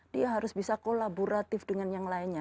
dia harus bisa kolaboratif dengan yang lainnya